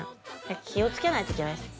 気をつけないといけないです